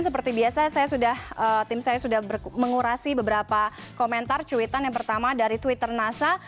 seperti biasa tim saya sudah mengurasi beberapa komentar cuitan yang pertama dari twitter nasa